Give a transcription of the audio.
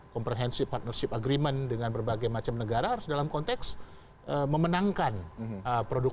comprehensive partnership agreement dengan berbagai macam negara harus dalam konteks memenangkan produk